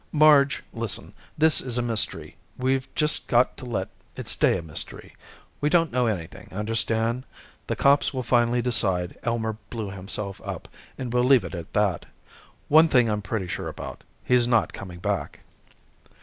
Marge, listen! This is a mystery. We've just got to let it stay a mystery. We don't know anything, understand? The cops will finally decide Elmer blew himself up, and we'll leave it at that. One thing I'm pretty sure about he's not coming back."